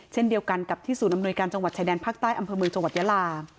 เช่นเดียวกันกับที่ศูนย์อำนวยการจังหวัดชายแดนภาคใต้อำเภอเมืองจังหวัดยาลา